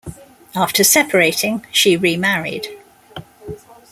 After separating, she remarried.